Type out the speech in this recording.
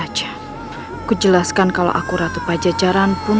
hai aku jelaskan kalau aku ratu pajajaran pun